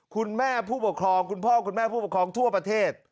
คุณแม่ผู้ปกครองคุณพ่อคุณแม่ผู้ปกครองทั่วประเทศ